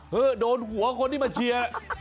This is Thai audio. โดนหัวคนที่มาเชียร์